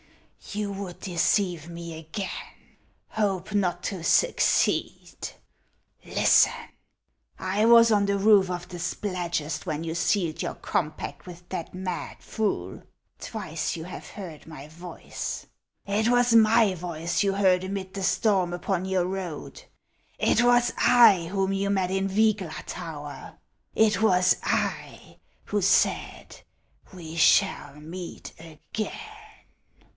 " Ah ! you would deceive me again ! Hope not to suc ceed. Listen ! I was on the roof of the Spladgest when you sealed your compact with that mad fool ; twice you have heard my voice. It was my voice you heard amid the storm upon your road ; it was I whom you met in Vygla tower ; it \vas I who said, ' We shall meet again